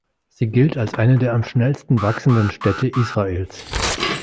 Sie gilt als eine der am schnellsten wachsenden Städte Israels.